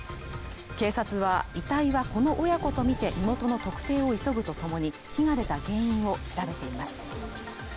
警察は遺体はこの親子とみて身元の特定を急ぐとともに火が出た原因を調べています